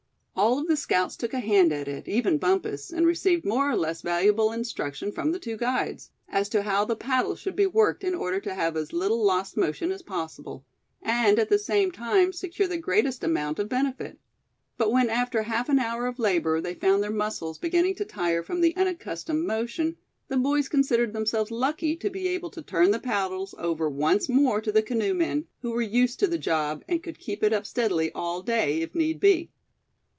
All of the scouts took a hand at it, even Bumpus, and received more or less valuable instruction from the two guides, as to how the paddle should be worked in order to have as little "lost motion" as possible; and at the same time secure the greatest amount of benefit. But when after half an hour of labor, they found their muscles beginning to tire from the unaccustomed motion, the boys considered themselves lucky to be able to turn the paddles over once more to the canoe men, who were used to the job, and could keep it up steadily all day, if need be.